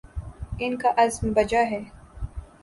ان کا عزم بجا ہے۔